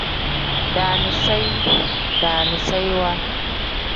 Daaniseyi pl: daaniseyiwa n.